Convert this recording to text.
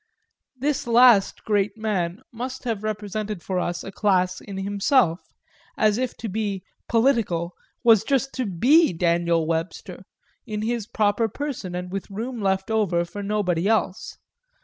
This last great man must have represented for us a class in himself; as if to be "political" was just to be Daniel Webster in his proper person and with room left over for nobody else.